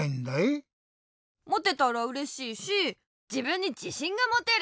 モテたらうれしいしじぶんにじしんがもてる！